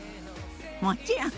もちろん！